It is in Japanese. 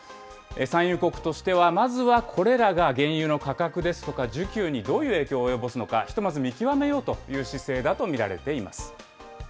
産油国としては、まずはこれらが原油の価格ですとか、需給にどういう影響を及ぼすのか、ひとまず見極めようという姿勢だと見られています。